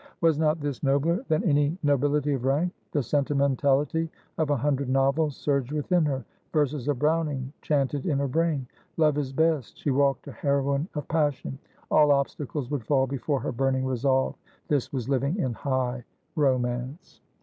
Was not this nobler than any nobility of rank? The sentimentality of a hundred novels surged within her; verses of Browning chanted in her brain. "Love is best!" She walked a heroine of passion. All obstacles would fall before her burning resolve. This was living in high romance!